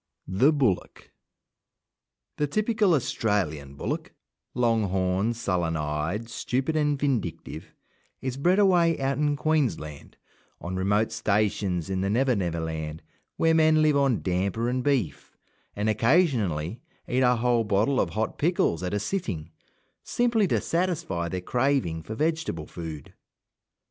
THE BULLOCK The typical Australian bullock long horned, sullen eyed, stupid, and vindictive is bred away out in Queensland, on remote stations in the Never Never land, where men live on damper and beef, and occasionally eat a whole bottle of hot pickles at a sitting, simply to satisfy their craving for vegetable food.